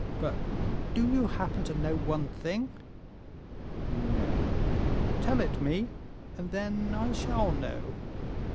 But do you happen to know one thing?" "No, tell it me, and then I shall know."